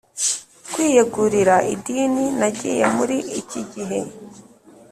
kwiyegurira idini nagiye muri ikigihe